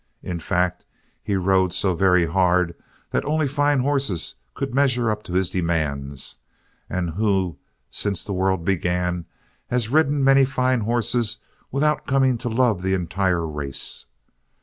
In fact, he rode so very hard that only fine horses could measure up to his demands, and who, since the world began, has ridden many fine horses without coming to love the entire race?